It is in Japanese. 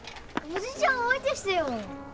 おじちゃん相手してよ！